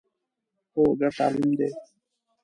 هو، ګډ تعلیم دی